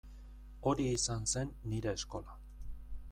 Hori izan zen nire eskola.